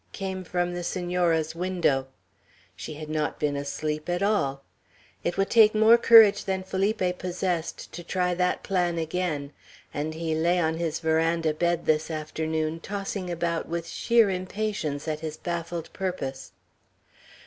came from the Senora's window. She had not been asleep at all. It would take more courage than Felipe possessed, to try that plan again; and he lay on his veranda bed, this afternoon, tossing about with sheer impatience at his baffled purpose.